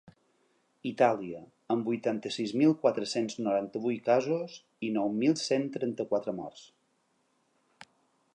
Itàlia, amb vuitanta-sis mil quatre-cents noranta-vuit casos i nou mil cent trenta-quatre morts.